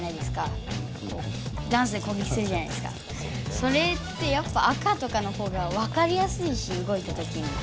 それってやっぱ赤とかのほうがわかりやすいし動いたときに。